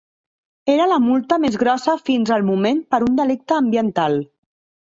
Era la multa més grossa fins al moment per un delicte ambiental.